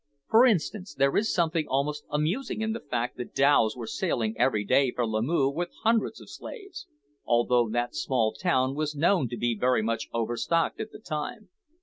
For instance, there is something almost amusing in the fact that dhows were sailing every day for Lamoo with hundreds of slaves, although that small town was known to be very much overstocked at the time.